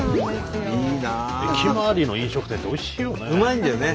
駅周りの飲食店っておいしいよね。